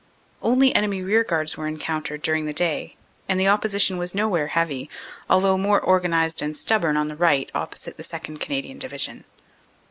"Only enemy rearguards were encountered during the day, and the opposition was nowhere heavy, although more organized and stubborn on the right opposite the 2nd. Cana dian Division.